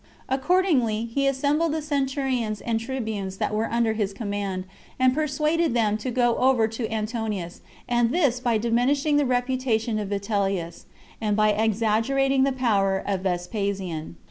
Accordingly, he assembled the centurions and tribunes that were under his command, and persuaded them to go over to Antonius, and this by diminishing the reputation of Vitellius, and by exaggerating the power of Vespasian.